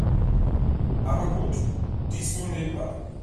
Aber gut, dies nur nebenbei.